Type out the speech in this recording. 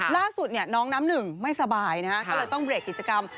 ล่าสุดเนี่ยน้องน้ำหนึ่งไม่สบายนะฮะก็เลยต้องเบรกกิจกรรม